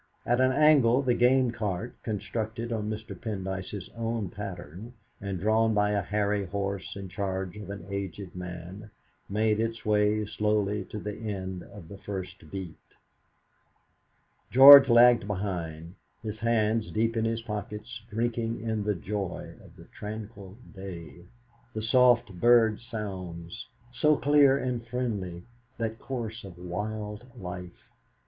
At an angle the game cart, constructed on Mr. Pendyce's own pattern, and drawn by a hairy horse in charge of an aged man, made its way slowly to the end of the first beat: George lagged behind, his hands deep in his pockets, drinking in the joy of the tranquil day, the soft bird sounds, so clear and friendly, that chorus of wild life.